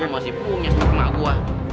oh masih punya stigma gua